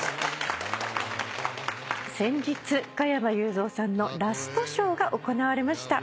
先日加山雄三さんのラストショーが行われました。